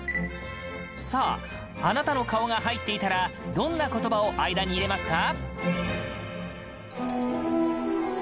さああなたの顔が入っていたらどんな言葉を間に入れますか？